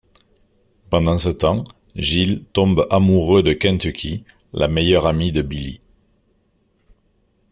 Pendant ce temps, Gil tombe amoureux de Kentucky, la meilleure amie de Billie.